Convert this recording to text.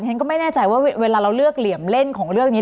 ฉันก็ไม่แน่ใจว่าเวลาเราเลือกเหลี่ยมเล่นของเรื่องนี้